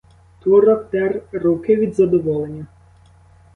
Турок тер руки від задоволення.